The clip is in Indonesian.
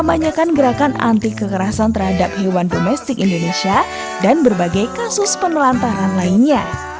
kebanyakan gerakan anti kekerasan terhadap hewan domestik indonesia dan berbagai kasus penelantaran lainnya